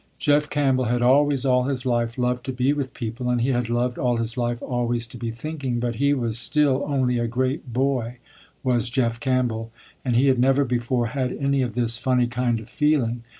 Jeff Campbell had always all his life loved to be with people, and he had loved all his life always to be thinking, but he was still only a great boy, was Jeff Campbell, and he had never before had any of this funny kind of feeling.